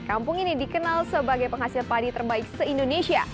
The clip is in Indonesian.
kampung ini dikenal sebagai penghasil padi terbaik se indonesia